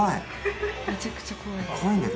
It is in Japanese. めちゃくちゃ怖いです。